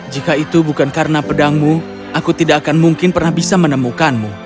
jika itu bukan karena pedangmu aku tidak akan mungkin pernah bisa menemukanmu